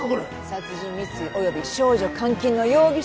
殺人未遂および少女監禁の容疑者。